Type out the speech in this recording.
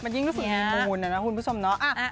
มันยิ่งรู้สึกยินลงหุ้นนะคุณผู้ชมเนอะ